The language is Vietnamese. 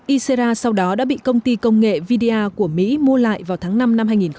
isera sau đó đã bị công ty công nghệ vidia của mỹ mua lại vào tháng năm năm hai nghìn một mươi tám